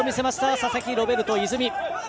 佐々木ロベルト泉。